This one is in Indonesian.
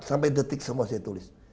sampai detik semua saya tulis